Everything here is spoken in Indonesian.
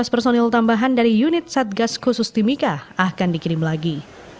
lima belas personil tambahan dari unit satgas khusus timika akan dikirim lagi